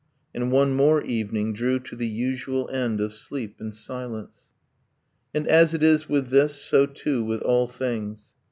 And one more evening Drew to the usual end of sleep and silence. And, as it is with this, so too with all things.